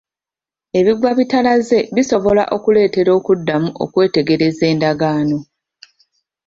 Ebigwa bitalaze bisobola okuleetera okuddamu okwetegereza endagaano.